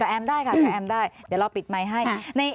แต่แอมได้ค่ะแต่แอมได้เดี๋ยวเราปิดไมค์ให้